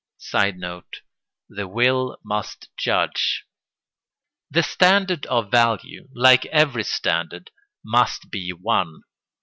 [Sidenote: The will must judge.] The standard of value, like every standard, must be one.